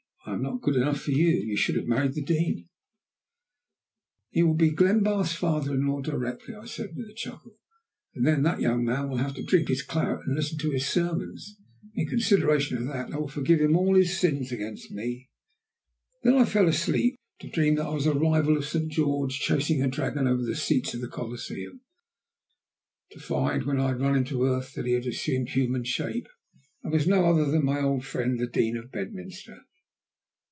"I am not good enough for you. You should have married the Dean." "Don't be absurd. The Dean is a dear old thing, but is old enough to be my father." "He will be Glenbarth's father in law directly," I said with a chuckle, "and then that young man will have to drink his claret and listen to his sermons. In consideration of that I will forgive him all his sins against me." Then I fell asleep, to dream that I was a rival of St. George chasing a dragon over the seats of the Colosseum; to find, when I had run him to earth, that he had assumed human shape, and was no other than my old friend the Dean of Bedminster.